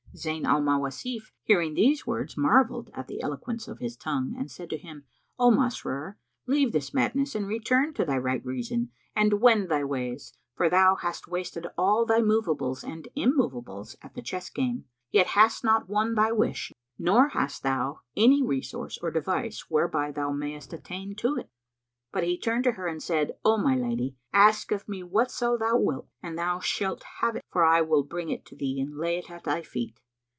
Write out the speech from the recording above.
Zayn al Mawasif hearing these words marvelled at the eloquence of his tongue and said to him, "O Masrur, leave this madness and return to thy right reason and wend thy ways; for thou hast wasted all thy moveables and immoveables at the chess game, yet hast not won thy wish, nor hast thou any resource or device whereby thou mayst attain to it." But he turned to her and said, "O my lady, ask of me whatso thou wilt and thou shalt have it; for I will bring it to thee and lay it at thy feet."